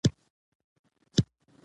دوه کاله نجاري کوم.